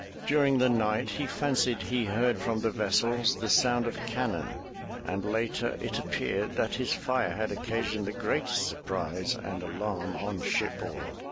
During the night he fancied he heard from the vessels the sound of cannon, and later it appeared that his fire had occa sioned the greatest surprise and alarm on shipboard.